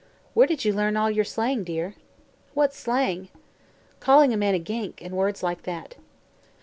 "Where did you learn all your slang, dear?" "What's slang?" "Calling a man a 'gink,' and words like that."